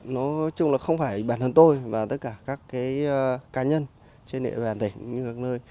nói chung là không phải bản thân tôi và tất cả các cá nhân trên địa bàn tỉnh như các nơi